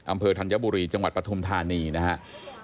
ธัญบุรีจังหวัดปฐุมธานีนะครับ